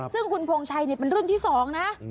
ซึ่งคุณพงชัยเป็นรุ่นที่๒นะ